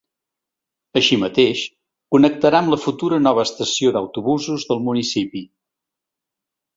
Així mateix, connectarà amb la futura nova estació d’autobusos del municipi.